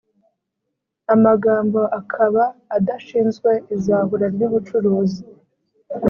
amagambo akaba adashinzwe izahura ry ubucuruzi